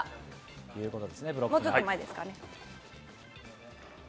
ということですね。